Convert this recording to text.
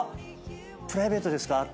「プライベートですか？」